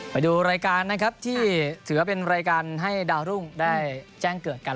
ไปดูรายการนะครับที่ถือว่าเป็นรายการให้ดาวรุ่งได้แจ้งเกิดกัน